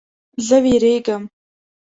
زه ویریږم